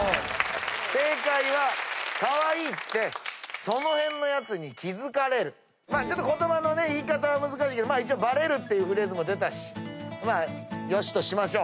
正解は「かわいいってその辺の奴に気付かれる」言葉の言い方は難しいけど一応「バレる」っていうフレーズも出たしよしとしましょう。